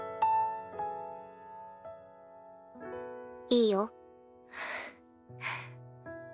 いいよ。